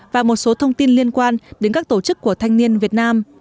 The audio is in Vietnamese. và một số thông tin liên quan đến các tổ chức của thanh niên việt nam